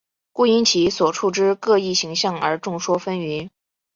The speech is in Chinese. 故因其所处之各异形象而众说纷纭。